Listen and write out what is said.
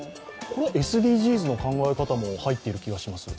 ＳＤＧｓの考え方も入っている気がします。